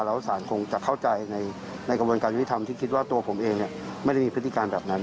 แล้วสารคงจะเข้าใจในกระบวนการยุติธรรมที่คิดว่าตัวผมเองไม่ได้มีพฤติการแบบนั้น